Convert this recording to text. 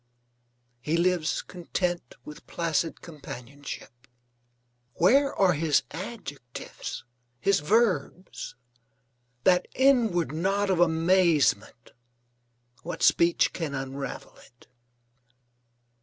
He lives content with placid companionship. Where are his adjectives, his verbs? That inward knot of amazement, what speech can unravel it?